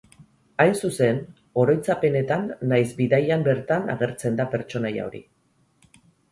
Hain zuzen, oroitzapenetan nahiz bidaian bertan agertzen da pertsonaia hori.